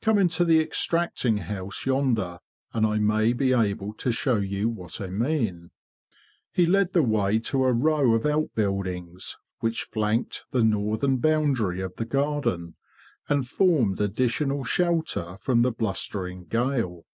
Come into the extracting house yonder, and I may be able to show you what I mean.'' He led the way to a row of outbuildings which flanked the northern boundary of the garden and formed additional shelter from the blustering gale.